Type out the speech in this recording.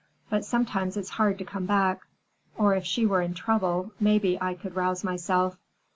But sometimes it's hard to come back. Or if she were in trouble, maybe I could rouse myself."